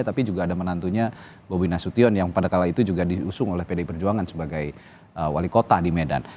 tapi juga ada menantunya bobi nasution yang pada kala itu juga diusung oleh pdi perjuangan sebagai wali kota di medan